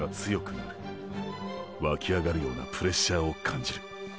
湧き上がるようなプレッシャーを感じる。